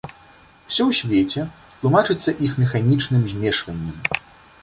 Усё ў свеце тлумачыцца іх механічным змешваннем.